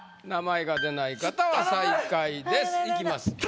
名前が出ない方は最下位です。